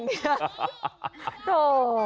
โต๊ะ